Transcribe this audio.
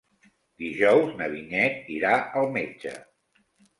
Dijous na Vinyet irà al metge.